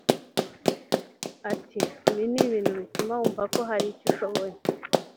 Ati” Ibi ni ibintu bituma wumvako hari icyo ushoboye